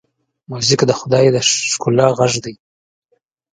موزیک د خدای د ښکلا غږ دی.